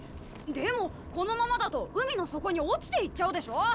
でもこのままだと海の底に落ちていっちゃうでしょ！